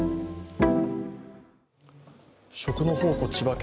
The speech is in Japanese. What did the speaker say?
食の宝庫、千葉県。